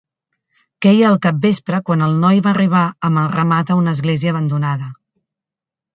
Queia el capvespre quan el noi va arribar amb el ramat a una església abandonada.